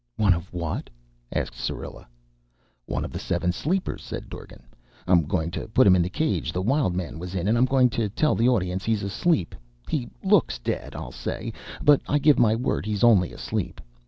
"One of what?" asked Syrilla. "One of the Seven Sleepers," said Dorgan. "I'm goin' to put him in the cage the Wild Man was in, and I'm goin' to tell the audiences he's asleep. 'He looks dead,' I'll say, 'but I give my word he's only asleep.